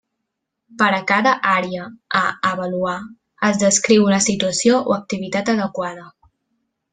Per a cada àrea a avaluar, es descriu una situació o activitat adequada.